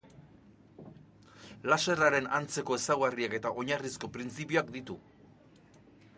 Laserraren antzeko ezaugarriak eta oinarrizko printzipioak ditu.